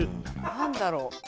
何だろう。